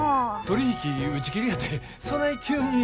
取り引き打ち切りやてそない急に。